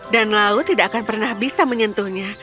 dan laut tidak akan pernah bisa menyentuhnya